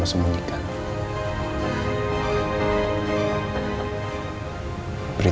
menyelidiki kasus ini